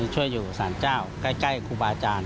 ช่วยอยู่สารเจ้าใกล้ครูบาอาจารย์